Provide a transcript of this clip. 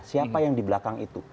siapa yang di belakang itu